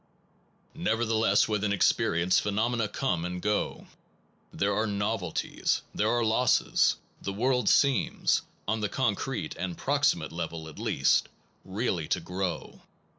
Nevertheless, within experience, phenomena come and go. There are novelties; there are losses. The world seems, on the concrete and proximate level at least, really to grow.